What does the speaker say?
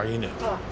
ああ